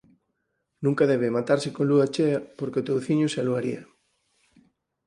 Nunca debe matarse con lúa chea porque o touciño se aluaría.